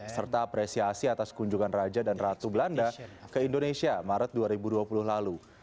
serta apresiasi atas kunjungan raja dan ratu belanda ke indonesia maret dua ribu dua puluh lalu